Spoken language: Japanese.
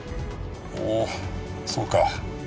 おおそうか。